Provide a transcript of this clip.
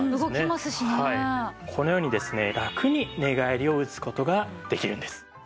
このようにですねラクに寝返りを打つ事ができるんです。